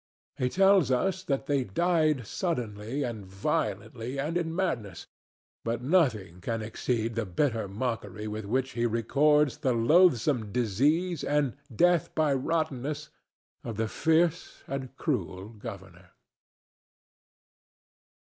He tells us that they died suddenly and violently and in madness, but nothing can exceed the bitter mockery with which he records the loathsome disease and "death by rottenness" of the fierce and cruel governor.